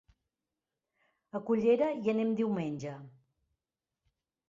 A Cullera hi anem diumenge.